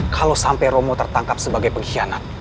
kalau sampai romo tertangkap sebagai pengkhianat